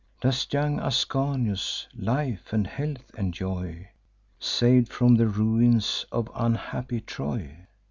Does young Ascanius life and health enjoy, Sav'd from the ruins of unhappy Troy?